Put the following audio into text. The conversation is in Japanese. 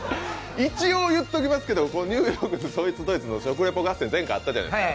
一応言っときますけど、ニューヨークたちの食レポ合戦、前回あったじゃないですか。